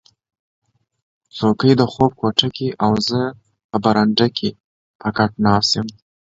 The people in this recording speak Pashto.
څوکی د خوب کوټه کې او زه په برنډه کې په کټ ناست یم